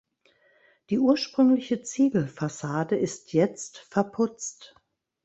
Die ursprüngliche Ziegelfassade ist jetzt verputzt.